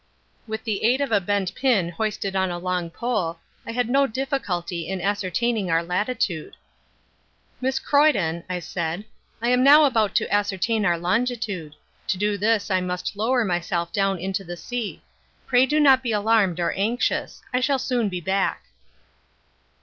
With the aid of a bent pin hoisted on a long pole I had no difficulty in ascertaining our latitude. "Miss Croydon," I said, "I am now about to ascertain our longitude. To do this I must lower myself down into the sea. Pray do not be alarmed or anxious. I shall soon be back."